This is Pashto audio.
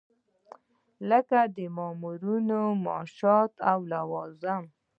لکه د مامورینو معاشات او لوازم.